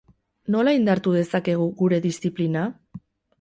Nola indartu dezakegu gure disziplina?